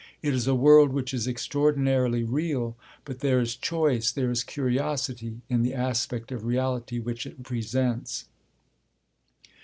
It is a world which is extraordinarily real; but there is choice, there is curiosity, in the aspect of reality which it presents.